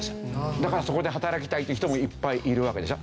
だからそこで働きたいっていう人もいっぱいいるわけでしょ？